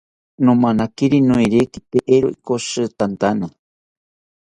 Nomanakiri noerekite eero ikoshitetantana